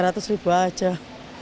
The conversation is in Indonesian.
yang lainnya enggak